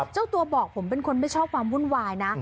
เจ้าตัวบอกผมเป็นคนไม่ชอบความวุ่นวายนะ